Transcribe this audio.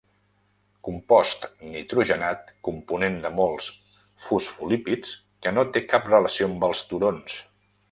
Compost nitrogenat component de molts fosfolípids que no té cap relació amb els turons.